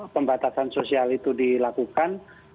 pembatasan sosial itu dilakukan